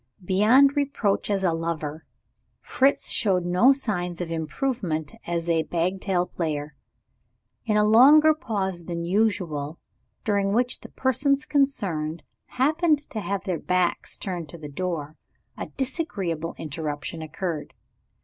Beyond reproach as a lover, Fritz showed no signs of improvement as a bagatelle player. In a longer pause than usual, during which the persons concerned happened to have their backs turned to the door, a disagreeable interruption occurred.